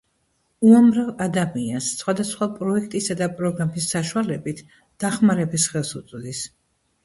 უამრავ ადამიანს სხვადასხვა პროექტისა და პროგრამის საშუალებით, დახმარების ხელს უწვდის.